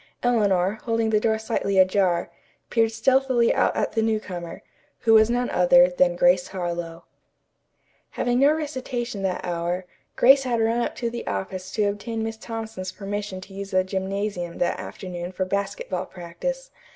Eleanor, holding the door slightly ajar, peered stealthily out at the new comer, who was none other than Grace Harlowe. Having no recitation that hour, Grace had run up to the office to obtain Miss Thompson's permission to use the gymnasium that afternoon for basketball practice.